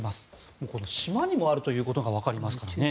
もう、この島にもあるということがわかりますからね。